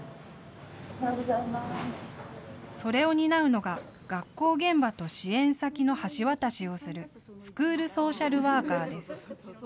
それを担うのが学校現場と支援先の橋渡しをするスクールソーシャルワーカーです。